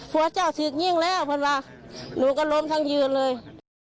พระเจ้าทึกยิ่งแล้วหนูก็ล้มทางยืนเลย